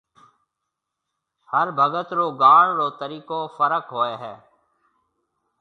هر ڀگت رو گاڻ رو طريقو فرق هوئي هي